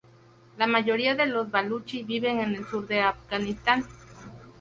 La mayoría de los baluchi viven en el sur de Afganistán.